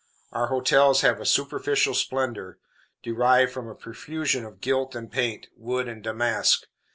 Our hotels have a superficial splendor, derived from a profusion of gilt and paint, wood and damask.